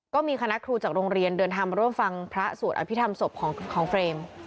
ก็มีคณะครูจากโรงเรียนเดินทางมาร่วมฟังพระสวดอภิษฐรรมศพของเฟรม